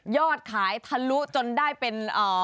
อดขายทะลุจนได้เป็น